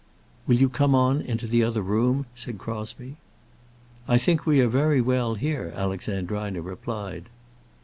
"Will you come on into the other room?" said Crosbie. "I think we are very well here," Alexandrina replied.